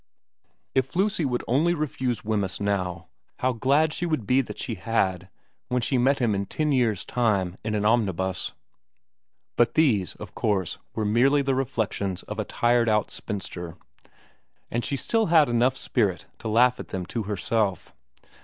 If Lucy would only refuse Wemyss now, how glad she would be that she had when she met him in ten years' time in an omnibus. xn VERA 139 But these, of course, were merely the reflections of a tired out spinster, and she still had enough spirit to laugh at them to herself.